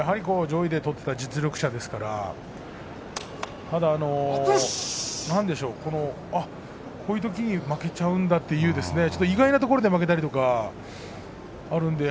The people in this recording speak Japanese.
上位で取っていた実力者ですからあっ、こういうときに負けちゃうんだという意外なところで負けたりとかあるので